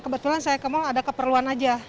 kebetulan saya kemau ada keperluan aja